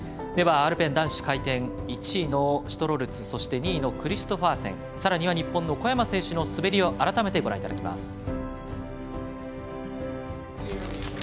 ではアルペン男子回転１位のシュトロルツそして２位のクリストファーセンさらには日本の小山選手の滑りを改めてご覧いただきます。